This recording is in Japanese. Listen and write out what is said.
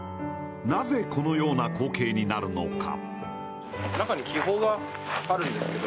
なぜ、このような光景になるのか。